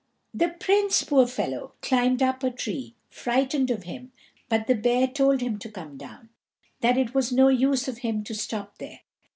The Prince, poor fellow, climbed up a tree, frightened of him, but the bear told him to come down, that it was no use of him to stop there.